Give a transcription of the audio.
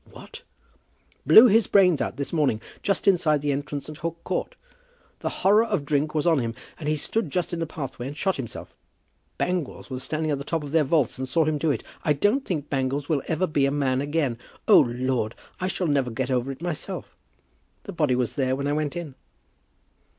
"What!" "Blew his brains out this morning just inside the entrance at Hook Court. The horror of drink was on him, and he stood just in the pathway and shot himself. Bangles was standing at the top of their vaults and saw him do it. I don't think Bangles will ever be a man again. O Lord! I shall never get over it myself. The body was there when I went in."